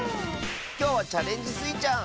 きょうは「チャレンジスイちゃん」！